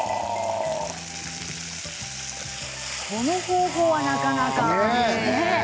この方法はなかなか。